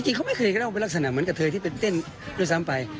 จริงเขาไม่เคยก็เล่าเป็นลักษณะเหมือนกับเธอที่ไปเต้นด้วยซ้ำไป